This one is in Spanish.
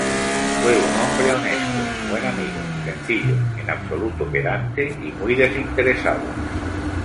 Fue un hombre honesto, buen amigo, sencillo, en absoluto pedante y muy desinteresado.